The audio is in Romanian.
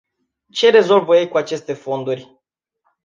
Ce rezolvă ei cu aceste fonduri?